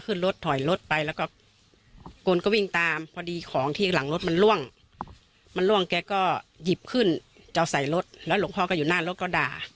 ก็ไม่รู้ว่าก็ด่าดุ่นออกไปนะคะ